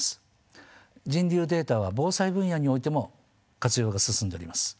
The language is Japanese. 人流データは防災分野においても活用が進んでおります。